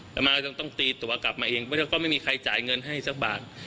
อัตมาว่าต้องตีตัวกลับมาเองก็ไม่มีใครจ่ายเงินให้สักบาท